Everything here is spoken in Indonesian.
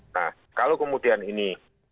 nah kalau kemudian ini